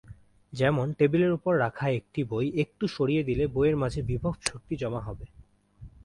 যেমন, টেবিলের উপর রাখা একটি বই একটু সরিয়ে দিলে বইয়ের মাঝে বিভব শক্তি জমা হবে।